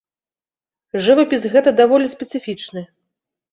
Жывапіс гэта даволі спецыфічны.